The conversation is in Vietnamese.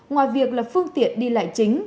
ngoài việc là phương tiện đi lại chính